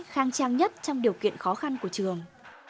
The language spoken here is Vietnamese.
khang trang nhất trong điều kiện khó khăn của trường